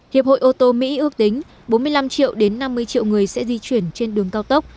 hiệp hội ô tô mỹ ước tính bốn mươi năm triệu đến năm mươi triệu người sẽ di chuyển trên đường cao tốc